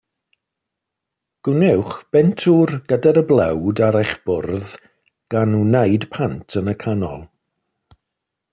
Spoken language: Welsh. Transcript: Gwnewch bentwr gyda'r blawd ar eich bwrdd, gan wneud pant yn y canol.